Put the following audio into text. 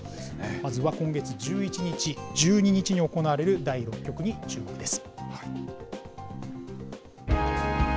まずは今月１１日、１２日に行われる第６局に注目です。